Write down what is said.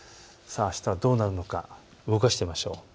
あしたはどうなるのか動かしてみましょう。